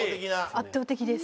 圧倒的です。